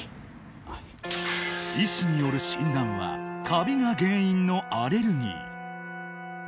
はい医師による診断はカビが原因のアレルギー